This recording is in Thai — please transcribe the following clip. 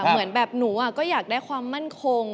เหมือนแบบหนูก็อยากได้ความมั่นคง